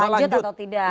lanjut atau tidak